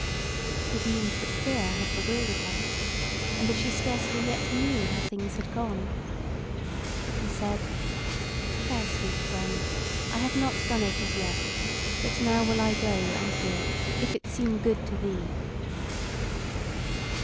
He deemed that fear had bewildered her, and that she scarcely yet knew how things had gone. But he said: "Fair sweet friend, I have not done it as yet; but now will I go and do it, if it seem good to thee."